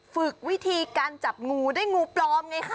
ฝึกวิธีการจับงูได้งูปลอมไงคะ